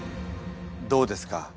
どうですか？